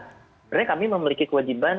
sebenarnya kami memiliki kewajiban